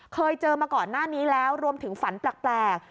เคยเจอมาก่อนหน้านี้แล้วรวมถึงฝันแปลก